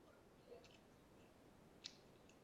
伊丽莎白的童年主要在柴郡度过。